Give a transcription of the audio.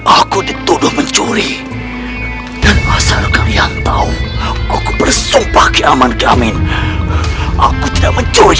aku dituduh mencuri dan asalkan yang tahu aku bersumpah kiaman kiamin aku tidak mencuri